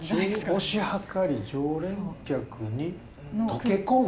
「推し量り常連客に溶け込む」？